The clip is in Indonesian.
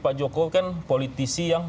pak jokowi kan politisi yang